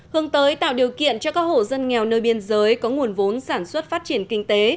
hướng tới tạo điều kiện cho các hộ dân nghèo nơi biên giới có nguồn vốn sản xuất phát triển kinh tế